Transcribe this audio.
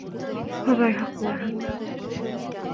Хоҙай һаҡлаһын!